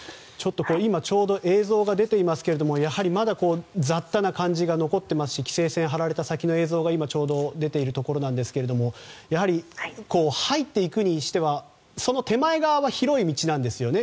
ちょうど映像が出ていますがやはりまだ、雑多な感じが残っていますし規制線が張られた映像が出ているところですがやはり入っていくにしてはその手前側は広い道なんですよね。